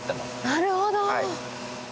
なるほど。